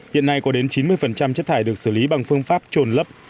hiện nay có đến chín mươi chất thải được xử lý bằng phương pháp trồn lấp